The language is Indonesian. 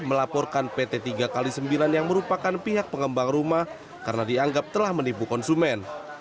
melaporkan pt tiga x sembilan yang merupakan pihak pengembang rumah karena dianggap telah menipu konsumen